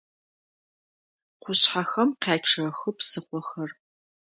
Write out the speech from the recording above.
Къушъхьэхэм къячъэхы псыхъохэр.